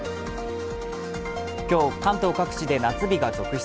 今日、関東各地で、夏日が続出